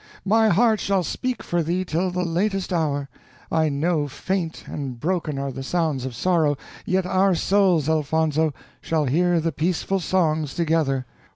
My heart shall speak for thee till the latest hour; I know faint and broken are the sounds of sorrow, yet our souls, Elfonzo, shall hear the peaceful songs together.